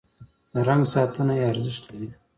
د رنګ ساتنه یې ارزښت لري.